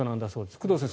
工藤先生